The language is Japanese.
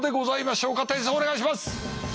点数お願いします。